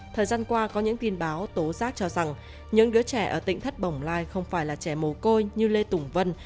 thời gian qua có những tin báo tố giác cho rằng những đứa trẻ ở tỉnh thất bồng lai không phải là trẻ mồ côi như lê tùng vân